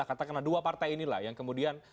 katakanlah dua partai inilah yang kemudian